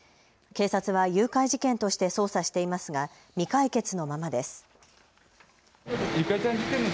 警察は誘拐事件として捜査していますが未解決のままです。